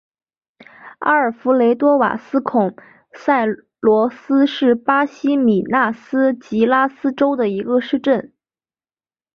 阿尔弗雷多瓦斯孔塞洛斯是巴西米纳斯吉拉斯州的一个市镇。